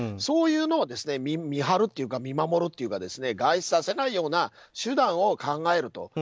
そういうのを見張るというか見守るというか外出させないような手段を考えると。